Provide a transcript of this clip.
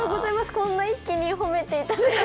こんな一気に褒めていただいて。